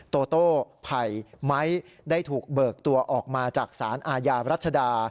โตโต้ไผ่ไม้ได้ถูกเบิกตัวออกมาจากสารอาญารัชดา